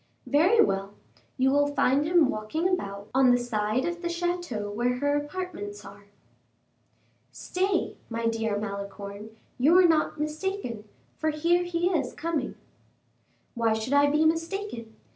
"Very well; you will find him walking about on the side of the chateau where her apartments are." "Stay, my dear Malicorne, you were not mistaken, for here he is coming." "Why should I be mistaken?